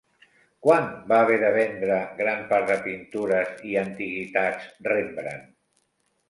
Quan va haver de vendre gran part de pintures i antiguitats Rembrandt?